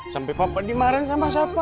sampai papa dimarahin sama siapa